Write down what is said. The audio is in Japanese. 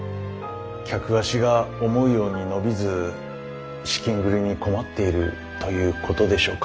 客足が思うように伸びず資金繰りに困っているということでしょうか。